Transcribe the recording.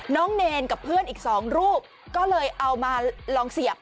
เนรกับเพื่อนอีก๒รูปก็เลยเอามาลองเสียบ